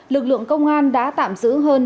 lực lượng công an đã tạm giữ hơn